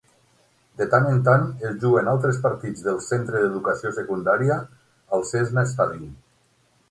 De tant en tant es juguen altres partits del centre d'educació secundària al Cessna Stadium.